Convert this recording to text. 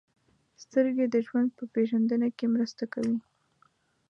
• سترګې د ژوند په پېژندنه کې مرسته کوي.